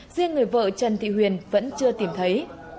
riêng người vợ trần thị huyền vẫn chưa tìm thấy